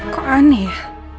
kok aneh ya